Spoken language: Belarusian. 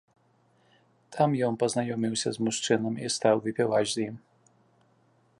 Там ён пазнаёміўся з мужчынам і стаў выпіваць з ім.